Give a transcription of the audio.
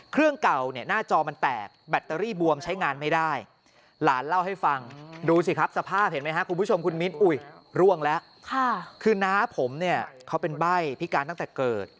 เครื่องเก่าเนี่ยหน้าจอมันแตกแบตเตอรี่บวมใช้งานไม่ได้หลานเล่าให้ฟังดูสิครับสภาพเห็นไหมครับคุณผู้ชมคุณมิ้นอุ้ยร่วงแล้วคือน้าผมเนี่ยเขาเป็นใบ้พิการตั้งแต่เกิด